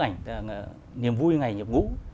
nhiềm vui ngày nhập ngũ